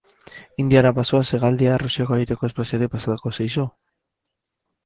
Indiara bazoaz hegaldia Errusiako aireko espaziotik pasako zaizu?